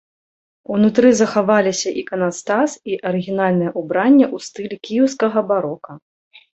Унутры захаваліся іканастас і арыгінальнае ўбранне ў стылі кіеўскага барока.